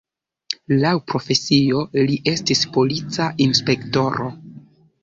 Laŭ profesio li estis polica inspektoro.